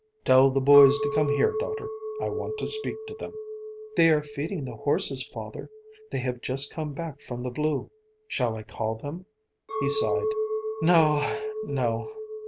"Tell the boys to come here, daughter. I want to speak to them." "They are feeding the horses, father. They have just come back from the Blue. Shall I call them?" He sighed. "No, no.